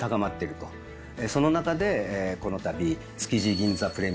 その中でこのたび。